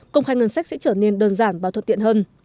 công khai ngân sách sẽ trở nên đơn giản và thuận tiện hơn